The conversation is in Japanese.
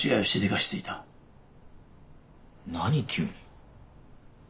何急に。